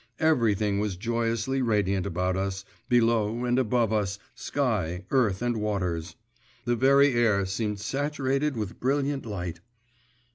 Everything was joyously radiant about us, below, and above us sky, earth, and waters; the very air seemed saturated with brilliant light.